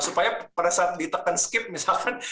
supaya pada saat ditekan skip misalkan